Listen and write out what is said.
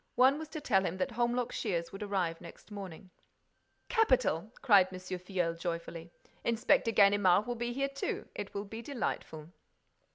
One was to tell him that Holmlock Shears would arrive next morning. "Capital!" cried M. Filleul, joyfully. "Inspector Ganimard will be here too. It will be delightful."